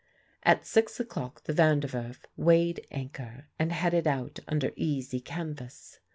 At six o'clock the Van der Werf weighed anchor and headed out under easy canvas.